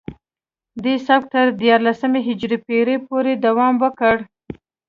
دې سبک تر دیارلسمې هجري پیړۍ پورې دوام وکړ